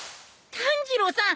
炭治郎さん